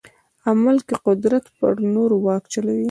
عمل کې قدرت پر نورو واک چلوي.